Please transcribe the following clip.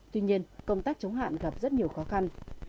tuy nhiên công tác chống hạn gặp rất nhiều khó khăn